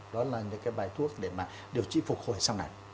đó là những cái bài thuốc để mà điều trị phục hồi sau này